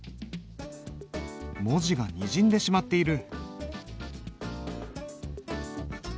文字がにじんでしまっている。